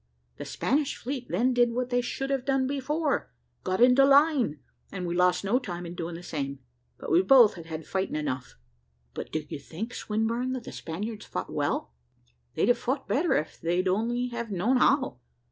The Spanish fleet then did what they should have done before got into line; and we lost no time in doing the same. But we both had had fighting enough." "But do you think, Swinburne, that the Spaniards fought well?" "They'd have fought better, if they'd only have known how.